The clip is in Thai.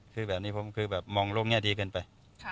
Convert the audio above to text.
คือแบบนี้ผมคือแบบมองโลกแง่ดีเกินไป